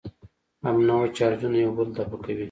همنوع چارجونه یو بل دفع کوي.